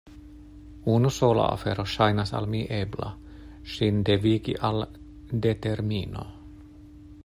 Unu sola afero ŝajnas al mi ebla: ŝin devigi al determino.